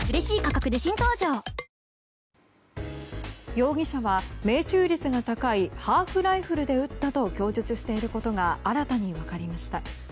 容疑者は命中率が高いハーフライフルで撃ったと供述していることが新たに分かりました。